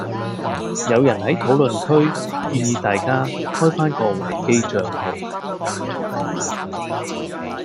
有人喺討論區建議大家開返個維基帳號